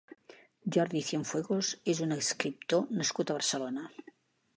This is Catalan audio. Jordi Cienfuegos és un escriptor nascut a Barcelona.